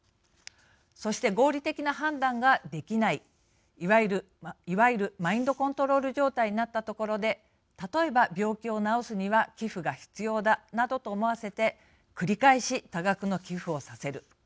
そして、合理的な判断ができないいわゆるマインドコントロール状態になったところで例えば病気を治すには寄付が必要だなどと思わせて繰り返し多額の寄付をさせる。